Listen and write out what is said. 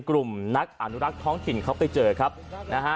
กลุ่มนักอนุรักษ์ท้องถิ่นเขาไปเจอครับนะฮะ